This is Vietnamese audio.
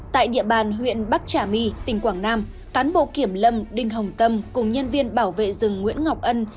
tại địa bàn huyện bắc trà my tỉnh quảng nam cán bộ kiểm lâm đinh hồng tâm cùng nhân viên bảo vệ rừng nguyễn ngọc ân